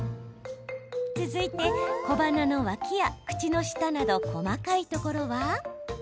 続いて、小鼻の脇や口の下など細かいところは。